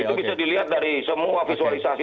itu bisa dilihat dari semua visualisasi